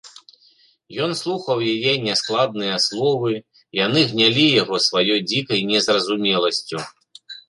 Ён слухаў яе няскладныя словы, яны гнялі яго сваёй дзікай незразумеласцю.